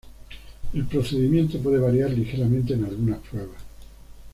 El procedimiento puede variar ligeramente en algunas pruebas.